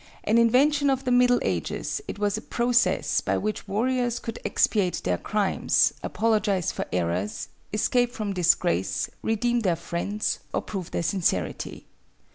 An invention of the middle ages, it was a process by which warriors could expiate their crimes, apologize for errors, escape from disgrace, redeem their friends, or prove their sincerity.